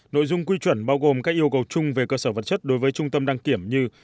nội dung quy chuẩn bao gồm các yêu cầu chung về cơ sở vật chất đối với trung tâm đăng kiểm như